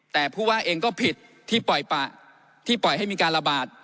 แต่ผู้ว่าเองก็ผิดที่ปล่อยปะที่ปล่อยให้มีการระบาด